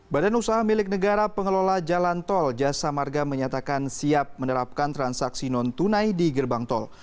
badan usaha milik negara pengelola jalan tol jasa marga menyatakan siap menerapkan transaksi non tunai di gerbang tol